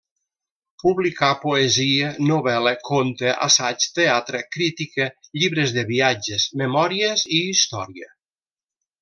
Publicà poesia, novel·la, conte, assaig, teatre, crítica, llibres de viatges, memòries i història.